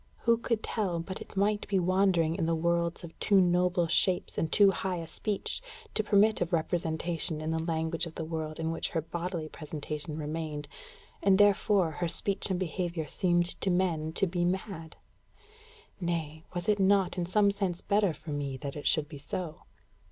Who could tell but it might be wandering in worlds of too noble shapes and too high a speech, to permit of representation in the language of the world in which her bodily presentation remained, and therefore her speech and behaviour seemed to men to be mad? Nay, was it not in some sense better for me that it should be so?